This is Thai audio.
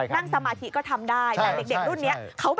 นั่งสมาธิก็ทำได้แต่เด็กรุ่นนี้